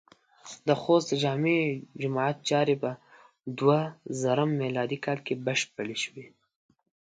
د خوست د جامع جماعت چارې په دوهزرم م کال کې بشپړې شوې.